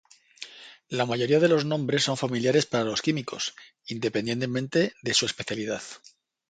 La mayoría de los nombres son familiares para los químicos, independientemente de su especialidad.